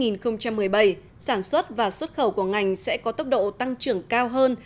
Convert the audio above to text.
năm hai nghìn một mươi bảy sản xuất và xuất khẩu của ngành sẽ có tốc độ tăng trưởng cao hơn